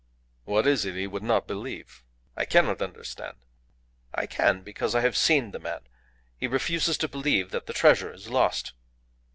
"What is it he would not believe? I cannot understand." "I can, because I have seen the man. He refuses to believe that the treasure is lost."